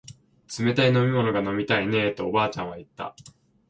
冷たい飲み物が飲みたいねえとおばあちゃんは言った